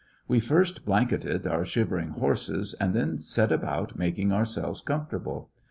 We first blanketed our shivering horses, and then set about making ourselves comfortable.